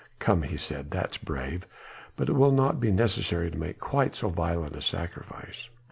"Come!" he said, "that's brave! but it will not be necessary to make quite so violent a sacrifice.